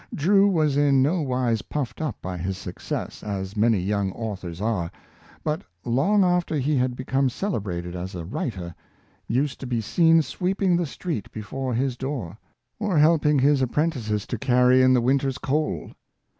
Drew was in no wise puffed up by his success, as many young authors are, but, long after he had become celebrated as a writer, used to be seen sweeping the street before his door, or helping his apprentices to carry in the winter's coals.